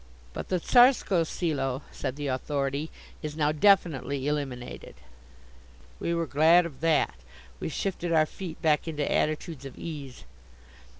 "But the Tsarskoe Selo," said the Authority, "is now definitely eliminated." We were glad of that; we shifted our feet back into attitudes of ease.